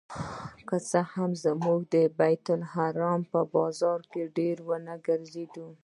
که څه هم موږ د بیت لحم په بازار کې ډېر ونه ګرځېدو.